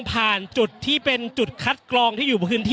อย่างที่บอกไปว่าเรายังยึดในเรื่องของข้อ